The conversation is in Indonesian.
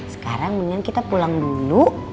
sekarang mendingan kita pulang dulu